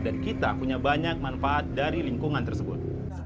dan kita punya banyak manfaat dari lingkungan tersebut